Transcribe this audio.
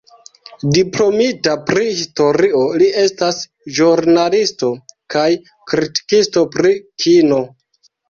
Diplomita pri historio, li estas ĵurnalisto kaj kritikisto pri kino.